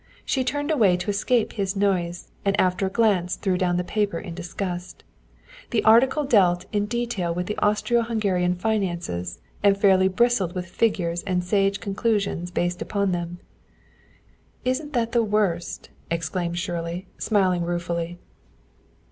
She turned away to escape his noise, and after a glance threw down the paper in disgust. The article dealt in detail with Austro Hungarian finances, and fairly bristled with figures and sage conclusions based upon them. "Isn't that the worst!" exclaimed Shirley, smiling ruefully.